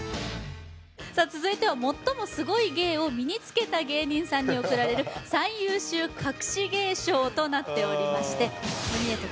さあ続いては最もすごい芸を身に付けた芸人さんに贈られる最優秀隠し芸賞となっておりましてノミネート